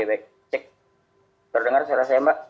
baik cek terdengar suara saya mbak